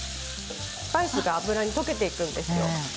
スパイスが油に溶けていくんですよ。